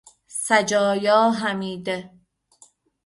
سجایا حمیده